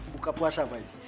buka puasa pak